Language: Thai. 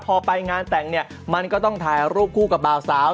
พอไปงานแต่งเนี่ยมันก็ต้องถ่ายรูปคู่กับบ่าวสาว